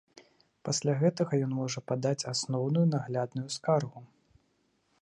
Пасля гэтага ён можа падаць асноўную наглядную скаргу.